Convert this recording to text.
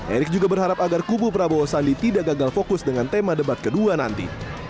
erick juga berharap agar kubu prabowo sandi tidak gagal fokus dengan tema debat kedua nanti